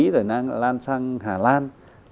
rồi lan sang hà lan